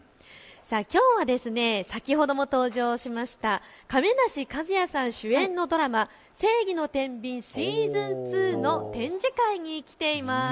きょうは先ほども登場しました亀梨和也さん主演のドラマ、正義の天秤ｓｅａｓｏｎ２の展示会に来ています。